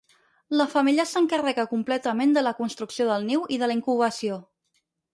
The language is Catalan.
La femella s'encarrega completament de la construcció del niu i de la incubació.